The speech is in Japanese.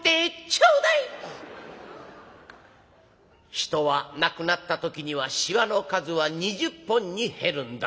「人は亡くなった時にはしわの数は２０本に減るんだぞ」。